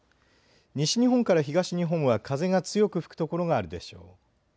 西日本から東日本は風が強く吹く所があるでしょう。